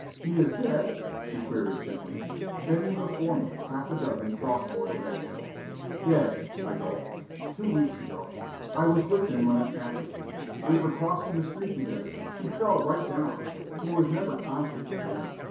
"He is dead?" she queried gently, setting before me half a dozen soft boiled eggs. "Dead," I gulped. "Two weeks ago. I was with him when it happened. We were crossing the street together. He fell right down. He was never conscious again.